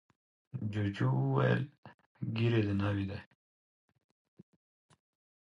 جوجو وویل ږیره دې نوې ده.